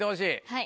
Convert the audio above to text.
はい。